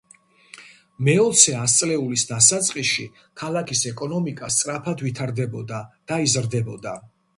მეოცე ასწლეულის დასაწყისში ქალაქის ეკონომიკა სწრაფად ვითარდებოდა და იზრდებოდა.